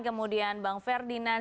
kemudian bang ferdinand